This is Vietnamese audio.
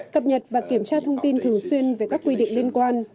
cập nhật và kiểm tra thông tin thường xuyên về các quy định liên quan